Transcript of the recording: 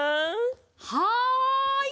はい！